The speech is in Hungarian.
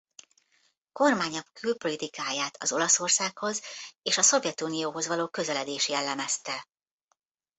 Kormánya külpolitikáját az Olaszországhoz és a Szovjetunióhoz való közeledés jellemezte.